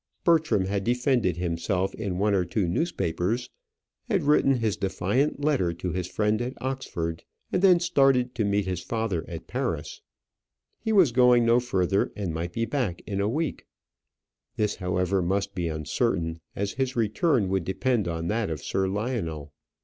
Bertram had defended himself in one or two newspapers, had written his defiant letter to his friend at Oxford, and then started to meet his father at Paris. He was going no further, and might be back in a week. This however must be uncertain, as his return would depend on that of Sir Lionel.